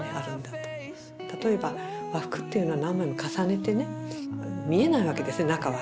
例えば和服っていうのは何枚も重ねてね見えないわけですね中は。